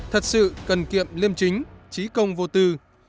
thật sự cần kiệm liêm chính trí công vô tư